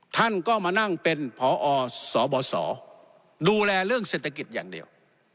ท่านก็มานั่งเป็นพอสบสดูแลเรื่องเศรษฐกิจอย่างเดียว